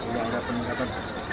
sudah ada peningkatan